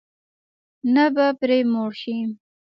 نه به پرې موړ شې.